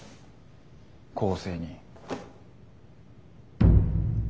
「公正」に。